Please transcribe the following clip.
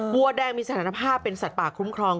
วัวแดงมีสถานภาพเป็นสัตว์ป่าคุ้มครอง